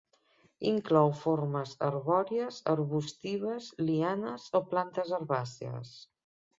Inclou formes arbòries, arbustives, lianes o plantes herbàcies.